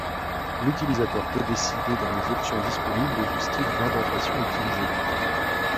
L'utilisateur peut décider, dans les options disponibles, du style d'indentation utilisé.